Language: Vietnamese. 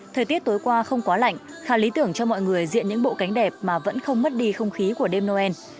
thời tiết tối qua không quá lạnh khá lý tưởng cho mọi người diện những bộ cánh đẹp mà vẫn không mất đi không khí của đêm noel